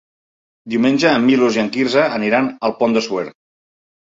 Diumenge en Milos i en Quirze aniran al Pont de Suert.